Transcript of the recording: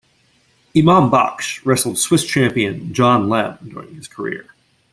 Imam Baksh wrestled Swiss champion John Lemm during his career.